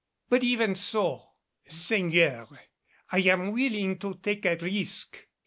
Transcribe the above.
"But even so " "Seigneur, I am willing to take a risk.